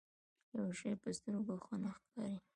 يو شی په سترګو ښه نه ښکاري.